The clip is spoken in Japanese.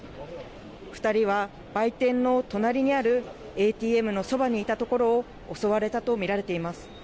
２人は売店の隣にあるＡＴＭのそばにいたところを襲われたと見られています。